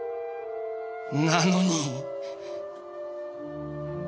なのに。